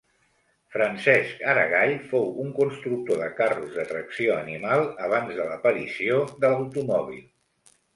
Francesc Aragall fou un constructor de carros de tracció animal abans de l'aparició de l'automòbil.